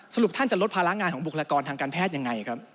สรุปท่านจะลดภาระงานของบุคลากรทางการแพทย์ยังไงครับ